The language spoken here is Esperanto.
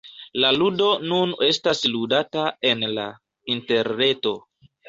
La ludo nun estas ludata en la interreto.